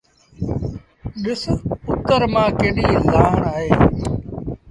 ڏس اُتر مآݩ ڪيڏيٚ لآڻ اهي۔